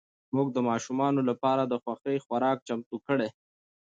مور د ماشومانو لپاره د خوښې خوراک چمتو کوي